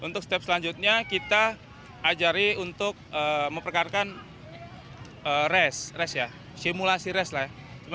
untuk step selanjutnya kita ajarin untuk memperkatakan simulasi race